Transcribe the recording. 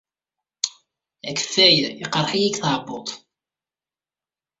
Akeffay iqerreḥ-iyi deg tɛebbuḍt.